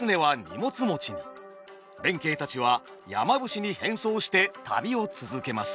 弁慶たちは山伏に変装して旅を続けます。